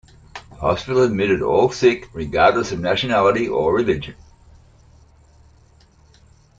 The hospital admitted all sick, regardless of nationality or religion.